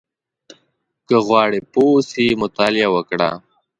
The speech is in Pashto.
• که غواړې پوه اوسې، مطالعه وکړه.